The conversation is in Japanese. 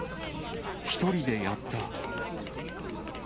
１人でやった。